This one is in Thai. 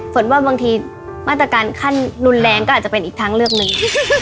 ฝนว่าบางทีมาตรการขั้นรุนแรงก็อาจจะเป็นอีกทางเลือกหนึ่ง